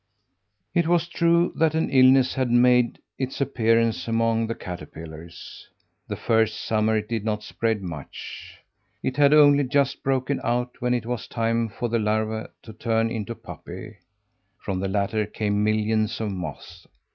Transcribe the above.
It was true that an illness had made its appearance among the caterpillars. The first summer it did not spread much. It had only just broken out when it was time for the larvae to turn into pupae. From the latter came millions of moths.